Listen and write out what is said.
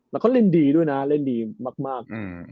แล้วก็เล่นดีด้วยนะเล่นดีมาก